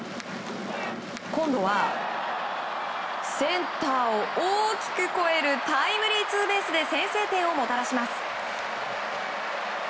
今度はセンターを大きく越えるタイムリーツーベースで先制点をもたらします。